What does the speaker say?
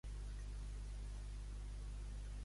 De què s'encarregaven els hel·lenotami?